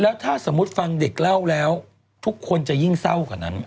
แล้วถ้าสมมุติฟังเด็กเล่าแล้วทุกคนจะยิ่งเศร้ากว่านั้น